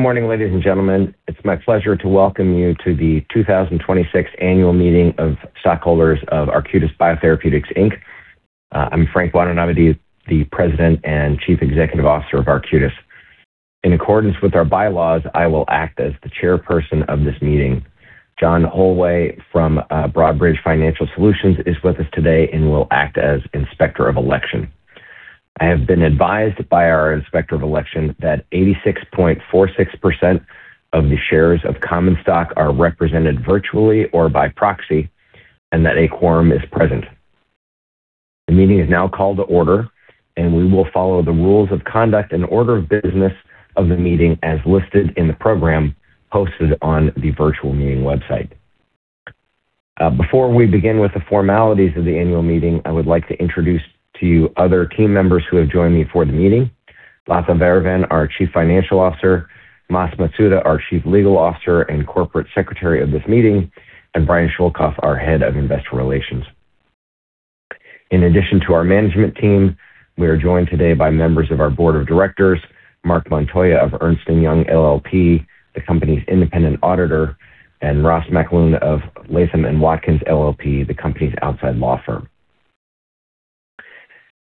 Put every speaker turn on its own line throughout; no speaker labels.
Good morning, ladies and gentlemen. It's my pleasure to welcome you to the 2026 annual meeting of stockholders of Arcutis Biotherapeutics, Inc. I'm Frank Watanabe, the President and Chief Executive Officer of Arcutis. In accordance with our bylaws, I will act as the chairperson of this meeting. John Holway from Broadridge Financial Solutions is with us today and will act as Inspector of Election. I have been advised by our Inspector of Election that 86.46% of the shares of common stock are represented virtually or by proxy and that a quorum is present. The meeting is now called to order, and we will follow the rules of conduct and order of business of the meeting as listed in the program posted on the virtual meeting website. Before we begin with the formalities of the annual meeting, I would like to introduce to you other team members who have joined me for the meeting. Latha Vairavan, our Chief Financial Officer, Mas Matsuda, our Chief Legal Officer and Corporate Secretary of this meeting, and Brian Schoelkopf, our Head of Investor Relations. In addition to our management team, we are joined today by members of our board of directors, Mark Montoya of Ernst & Young LLP, the company's independent auditor, and Ross McAloon of Latham & Watkins LLP, the company's outside law firm.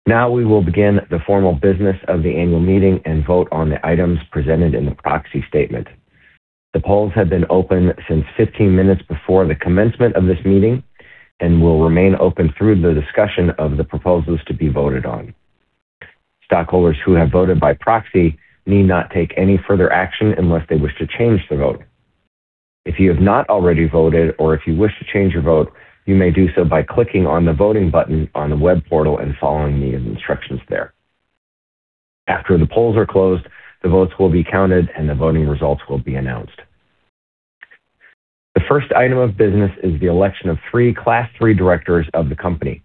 Now we will begin the formal business of the annual meeting and vote on the items presented in the proxy statement. The polls have been open since 15 minutes before the commencement of this meeting and will remain open through the discussion of the proposals to be voted on. Stockholders who have voted by proxy need not take any further action unless they wish to change their vote. If you have not already voted or if you wish to change your vote, you may do so by clicking on the voting button on the web portal and following the instructions there. After the polls are closed, the votes will be counted and the voting results will be announced. The first item of business is the election of three Class III directors of the company.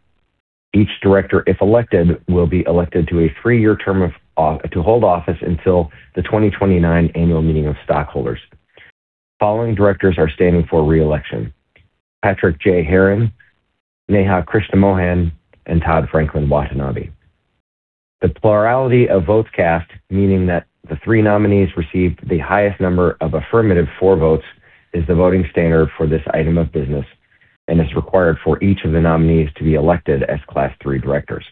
Each director, if elected, will be elected to a three-year term to hold office until the 2029 annual meeting of stockholders. The following directors are standing for re-election: Patrick J. Heron, Neha Krishnamohan, and Todd Franklin Watanabe. The plurality of votes cast, meaning that the three nominees received the highest number of affirmative for votes, is the voting standard for this item of business and is required for each of the nominees to be elected as Class III directors.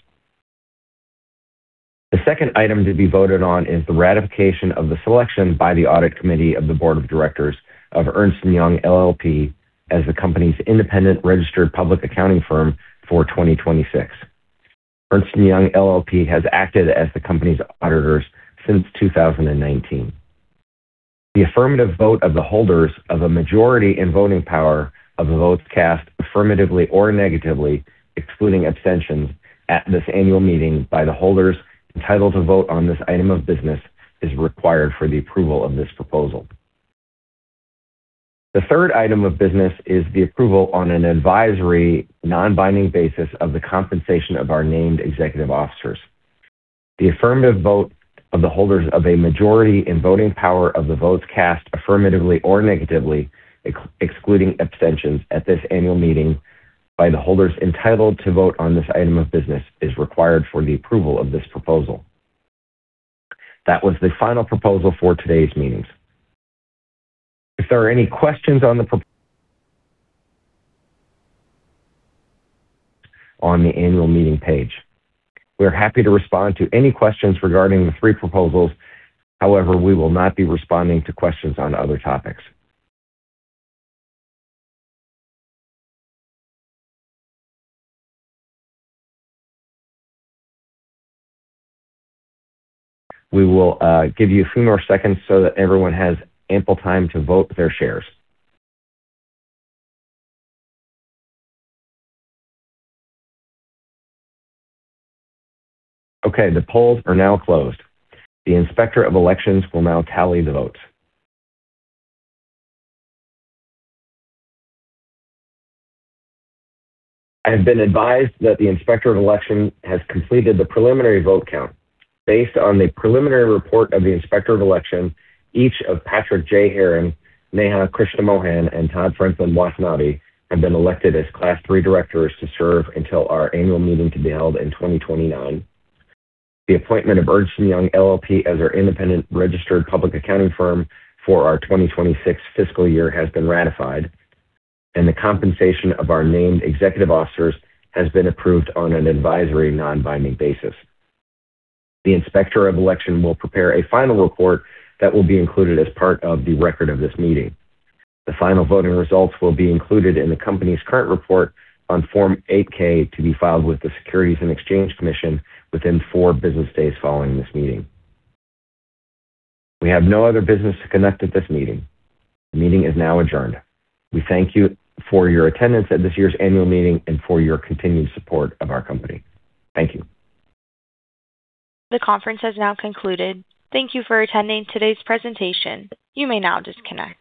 The second item to be voted on is the ratification of the selection by the Audit Committee of the board of directors of Ernst & Young LLP as the company's independent registered public accounting firm for 2026. Ernst & Young LLP has acted as the company's auditors since 2019. The affirmative vote of the holders of a majority in voting power of the votes cast affirmatively or negatively, excluding abstentions at this annual meeting by the holders entitled to vote on this item of business, is required for the approval of this proposal. The third item of business is the approval on an advisory, non-binding basis of the compensation of our named executive officers. The affirmative vote of the holders of a majority in voting power of the votes cast affirmatively or negatively, excluding abstentions at this annual meeting by the holders entitled to vote on this item of business, is required for the approval of this proposal. That was the final proposal for today's meeting. If there are any questions On the annual meeting page. We are happy to respond to any questions regarding the three proposals. However, we will not be responding to questions on other topics. We will give you a few more seconds so that everyone has ample time to vote their shares. Okay, the polls are now closed. The Inspector of Elections will now tally the votes. I have been advised that the Inspector of Election has completed the preliminary vote count. Based on the preliminary report of the Inspector of Election, each of Patrick J. Heron, Neha Krishnamohan, and Todd Franklin Watanabe have been elected as Class III directors to serve until our annual meeting to be held in 2029. The appointment of Ernst & Young LLP as our independent registered public accounting firm for our 2026 fiscal year has been ratified, and the compensation of our named executive officers has been approved on an advisory, non-binding basis. The Inspector of Election will prepare a final report that will be included as part of the record of this meeting. The final voting results will be included in the company's current report on Form 8-K to be filed with the Securities and Exchange Commission within four business days following this meeting. We have no other business to conduct at this meeting. The meeting is now adjourned. We thank you for your attendance at this year's annual meeting and for your continued support of our company. Thank you.
The conference has now concluded. Thank you for attending today's presentation. You may now disconnect.